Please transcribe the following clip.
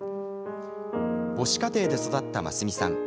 母子家庭で育った真澄さん。